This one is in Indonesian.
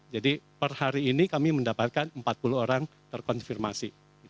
jadi per hari ini kami mendapatkan empat puluh orang terkonfirmasi